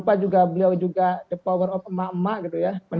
tetapi juga tidak hanya se hashtag yang menyeimbangkan